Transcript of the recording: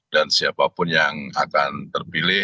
dan siapapun yang akan terpilih